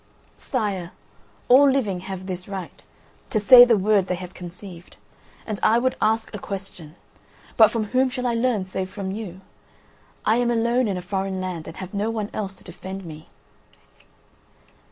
"Sire, all living have this right: to say the word they have conceived. And I would ask a question, but from whom shall I learn save from you? I am alone in a foreign land, and have no one else to defend me."